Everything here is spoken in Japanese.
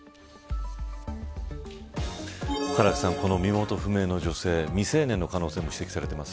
唐木さん、身元不明の女性未成年の可能性も指摘されています。